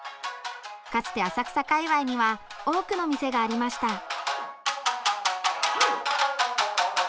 かつて浅草界わいには多くの店がありました。